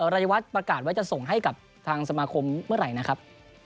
รายวัตรประกาศไว้จะส่งให้กับทางสมาคมเมื่อไหร่นะครับ